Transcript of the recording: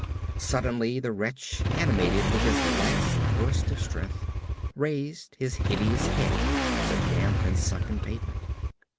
Suddenly the wretch, animated with his last burst of strength, raised his hideous head from the damp and sunken pavement.